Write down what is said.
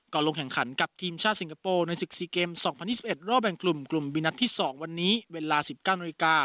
ลงแข่งขันกับทีมชาติสิงคโปร์ในศึก๔เกม๒๐๒๑รอบแบ่งกลุ่มกลุ่มบีนัดที่๒วันนี้เวลา๑๙นาฬิกา